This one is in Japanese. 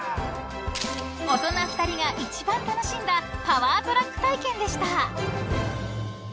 ［大人２人が一番楽しんだパワートラック体験でした］